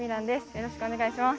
よろしくお願いします。